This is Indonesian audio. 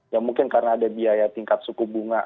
ya mungkin karena ada biaya tingkat suku bunga